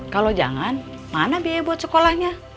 kalau jangan mana biaya buat sekolahnya